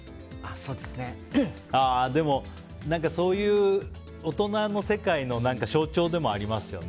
でも、そういう大人の世界の象徴でもありますよね。